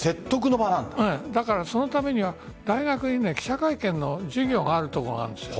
そのためには大学で記者会見の授業がある所がある。